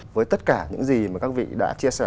với tất cả những gì mà các vị đã chia sẻ